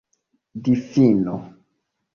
difino